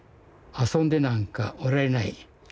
遊んでなんかおられない。